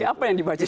apa yang dibaca